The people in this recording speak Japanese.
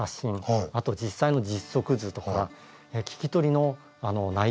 あと実際の実測図とか聞き取りの内容までですね